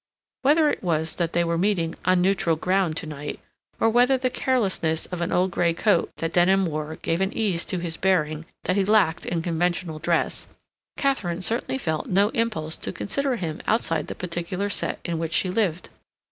Whether it was that they were meeting on neutral ground to night, or whether the carelessness of an old grey coat that Denham wore gave an ease to his bearing that he lacked in conventional dress, Katharine certainly felt no impulse to consider him outside the particular set in which she lived.